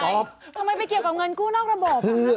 ทำไมไปเกี่ยวกับเงินกู้นอกระบบ